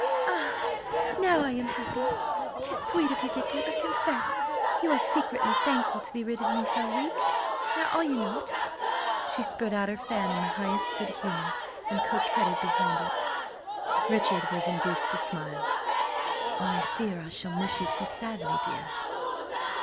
"Ah! Now I am happy! 'Tis sweet of you, Dicky, but confess you are secretly thankful to be rid of me for a week! Now are you not?" She spread out her fan in the highest good humour and coquetted behind it. Richard was induced to smile. "I fear I shall miss you too sadly, dear."